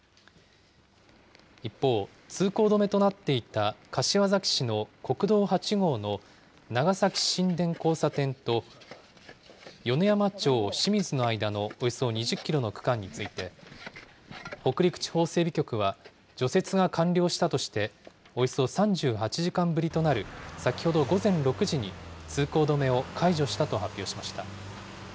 一方、通行止めとなっていた柏崎市の国道８号の長崎新田交差点と、米山町清水の間のおよそ２０キロの区間について、北陸地方整備局は除雪が完了したとして、およそ３８時間ぶりとなる先ほど午前６時に、通行止めを解除したと発表しました。